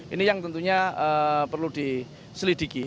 ini yang tentunya perlu diselidiki